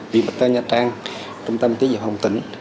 viêm lõng nhật bản trung tâm y tế hồng tỉnh